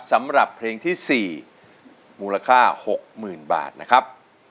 สำหรับเพลงที่๔มูลค่า๖๐๐๐บาทนะครับ